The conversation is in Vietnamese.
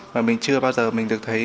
mà mình chưa bao giờ được thấy